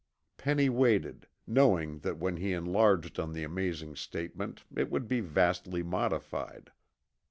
Penny waited, knowing that when he enlarged on the amazing statement it would be vastly modified.